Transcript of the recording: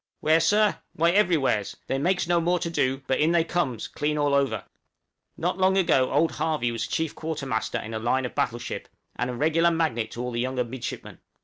"Where, Sir? why everywheres; they makes no more to do, but in they comes, clean over all." Not long ago old Harvey was chief quartermaster in a line of battle ship, and a regular magnet to all the younger midshipmen.